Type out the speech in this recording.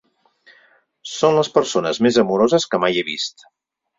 Són les persones més amoroses que mai he vist.